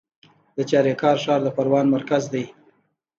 د چاریکار ښار د پروان مرکز دی